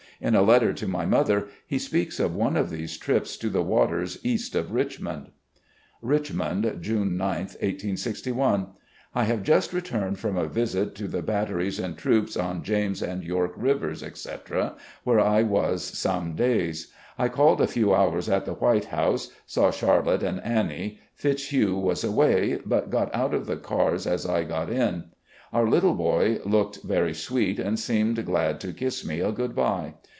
In a letter to my mother he speaks of one of these trips to the waters east of Richmond. THE CONFEDERATE GENERAL 35 "Richmond, June 9, 1861. "... I have just returned from a visit to the bat teries and troops on James and York rivers, etc., where I was some days. I called a few hours at the White House. Saw Charlotte and Annie. Fitzhugh was away, but got out of the cars as I got in. Our little boy looked very sweet and seemed glad to kiss me a good bye.